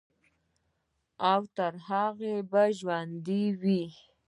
او تر هغې به ژوندے وي،